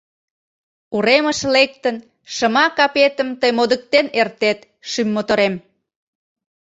Уремыш лектын, шыма капетым Тый модыктен эртет, шӱм моторем.